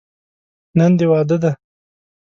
نن دې واده دی.